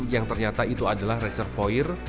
yang ternyata itu adalah reservoir